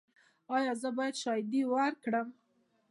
ایا زه باید شاهدي ورکړم؟